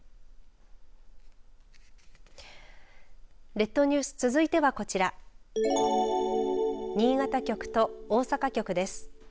列島ニュース続いてはこちら新潟局と大阪局です。